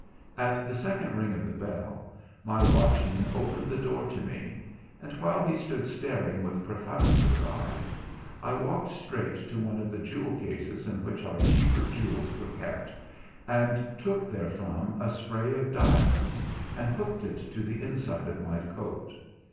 At the second ring of the bell my watchman opened the door to me; and while he stood staring with profound surprise, I walked straight to one of the jewel cases in which our cheaper jewels are kept, and took therefrom a spray of diamonds, and hooked it to the inside of my coat.